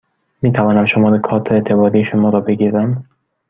می توانم شماره کارت اعتباری شما را بگیرم؟